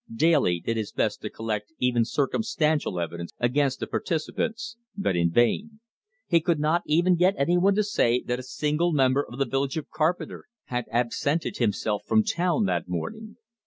Daly did his best to collect even circumstantial evidence against the participants, but in vain. He could not even get anyone to say that a single member of the village of Carpenter had absented himself from town that morning.